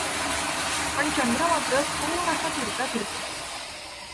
पण चंद्र मात्र थोडासा तिरका फिरतो.